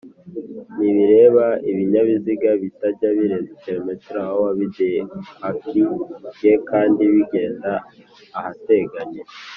ntibireba Ibinyabiziga bitajya birenza km/h bidepakiye kandi bigenda ahateganye